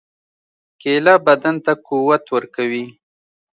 کېله بدن ته قوت ورکوي.